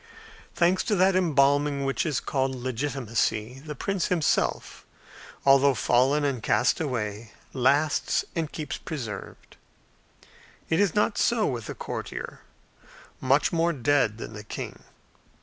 Thanks to that embalming which is called legitimacy, the prince himself, although fallen and cast away, lasts and keeps preserved; it is not so with the courtier, much more dead than the king.